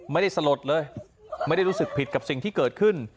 สลดเลยไม่ได้รู้สึกผิดกับสิ่งที่เกิดขึ้น